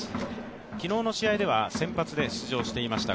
昨日の試合では先発で出場していました